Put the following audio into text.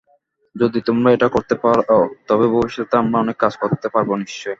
যদি তোমরা এটা করতে পার, তবে ভবিষ্যতে আমরা অনেক কাজ করতে পারব নিশ্চয়।